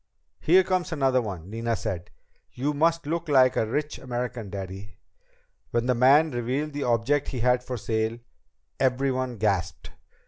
"Here comes another one," Nina said. "You must look like a rich American, Daddy." When the man revealed the object he had for sale, everyone gasped.